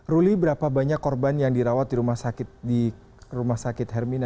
ruli berapa banyak korban yang dirawat di rumah sakit hermina